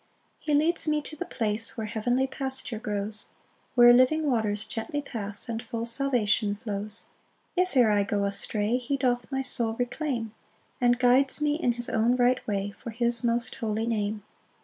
2 He leads me to the place Where heavenly pasture grows, Where living waters gently pass, And full salvation flows. 3 If e'er I go astray, He doth my soul reclaim, And guides me in his own right way, For his most holy name.